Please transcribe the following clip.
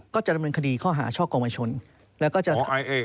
ก็จะลำนึงคดีข้อหาช่อกลงประชาชน